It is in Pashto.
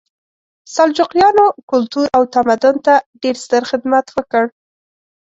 سلجوقیانو کلتور او تمدن ته ډېر ستر خدمت وکړ.